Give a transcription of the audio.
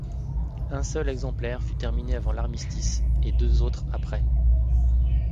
Un seul exemplaire fut terminé avant l'armistice, et deux autres après.